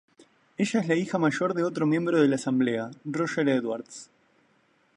Ella es la hija mayor de otro miembro de la asamblea, Roger Edwards.